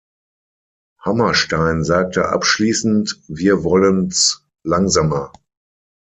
Hammerstein sagte abschließend: „Wir wollen’s langsamer.